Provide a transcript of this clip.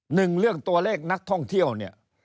หนึ่งเรื่องตัวเลขนักท่องเที่ยวเนี่ย